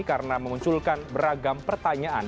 karena mengunculkan beragam pertanyaan